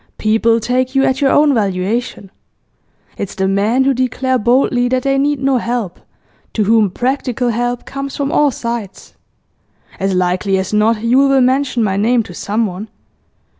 People take you at your own valuation. It's the men who declare boldly that they need no help to whom practical help comes from all sides. As likely as not Yule will mention my name to someone.